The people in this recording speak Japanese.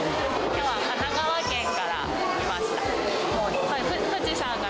きょうは神奈川県から来ました。